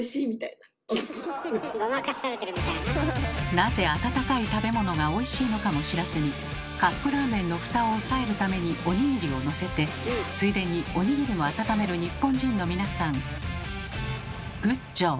なぜ温かい食べ物がおいしいのかも知らずにカップラーメンのフタを押さえるためにおにぎりをのせてついでにおにぎりも温める日本人の皆さんグッジョブ！